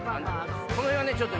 この辺はねちょっと